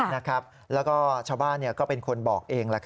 แล้วก็ชาวบ้านก็เป็นคนบอกเอง